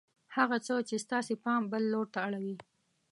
هغه څه چې ستاسې پام بل لور ته اړوي